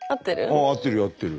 おお合ってるよ合ってる。